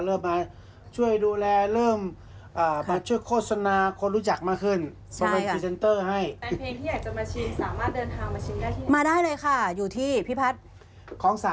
มาช่วยดูแลเริ่มมาช่วยโฆษณาคนรู้จักมากขึ้น